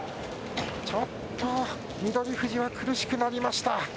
ちょっと翠富士は苦しくなりました。